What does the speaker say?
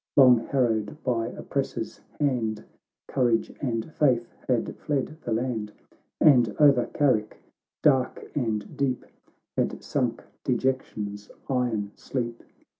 Long harrowed by oppressor's band, Courage and faith had fled the land, And over Carrick, dark and deep, Had sunk dejection's iron sleep.